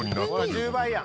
１０倍やん。